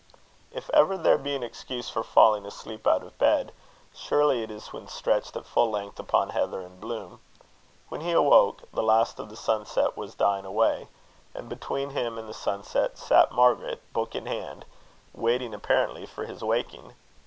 If ever there be an excuse for falling asleep out of bed, surely it is when stretched at full length upon heather in bloom. When he awoke, the last of the sunset was dying away; and between him and the sunset sat Margaret, book in hand, waiting apparently for his waking.